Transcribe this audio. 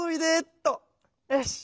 よし。